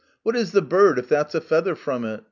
What is the bird if that's a feather from it